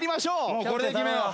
もうこれで決めよう。